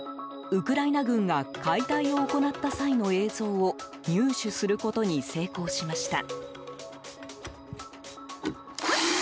ウクライナ軍が解体を行った際の映像を入手することに成功しました。